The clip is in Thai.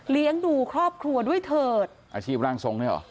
ดูครอบครัวด้วยเถิดอาชีพร่างทรงเนี่ยเหรอ